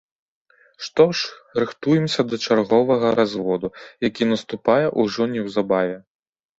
Што ж, рыхтуемся да чарговага разводу, які наступае ўжо неўзабаве.